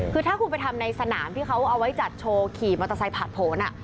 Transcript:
คือถ้าคุณไปทำในสนามที่เขาเอาไว้จัดโชว์ขี่มอเตอร์ไซค์ผ่านผล